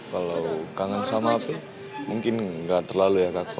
kalau kangen sama hp mungkin tidak terlalu ya kak kolo